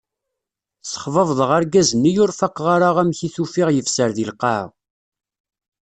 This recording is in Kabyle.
Ssexbabḍeɣ argaz-nni ur faqeɣ ara amek i t-ufiɣ yefser di lqaɛa.